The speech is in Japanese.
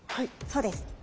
そうです。